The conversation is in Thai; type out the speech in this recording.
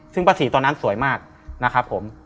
ซึ่งป้าศรีตอนนั้นสวยมากนะครับผม